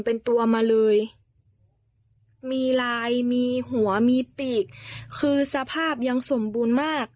เป็นตัวมาเลยมีลายมีหัวมีปีกคือสภาพยังสมบูรณ์มาก